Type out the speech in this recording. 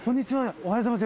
おはようございます。